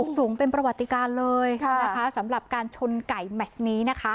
สูงเป็นประวัติการเลยนะคะสำหรับการชนไก่แมชนี้นะคะ